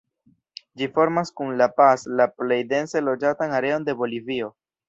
Ĝi formas kun La Paz la plej dense loĝatan areon de Bolivio.